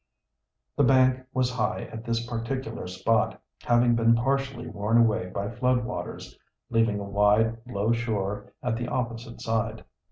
The bank was high at this particular spot, having been partially worn away by flood waters, leaving a wide, low shore at the opposite side.